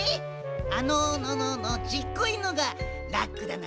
あののののちっこいのがラックだな？